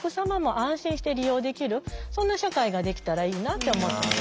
そんな社会ができたらいいなって思ってます。